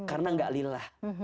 karena tidak lillah